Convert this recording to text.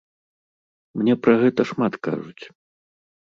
Мне пра гэта шмат кажуць.